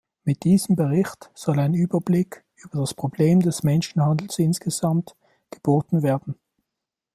Mit diesem Bericht soll ein Überblick über das Problem des Menschenhandels insgesamt geboten werden.